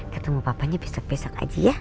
ketemu papanya besok besok aja ya